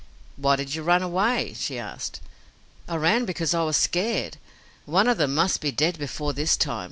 "Why did you run away?" she asked. "I ran because I was scared. One of them must be dead before this time.